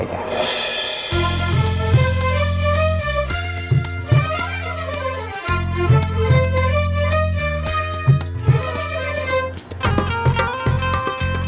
ya aku balik balik